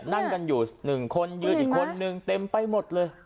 นั่งกันอยู่๑คนยืนอีกคนนึงเต็มไปหมดเลย